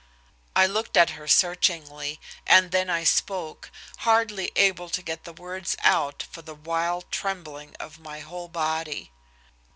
I looked at her searchingly, and then I spoke, hardly able to get the words out for the wild trembling of my whole body.